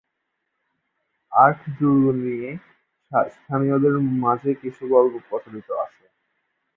Arc দুর্গ নিয়ে স্থানীয়দের মাঝে কিছু গল্প প্রচলিত আছে।